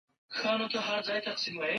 موږ باید د انټرنیټ په مټ خپل معلومات نوي کړو.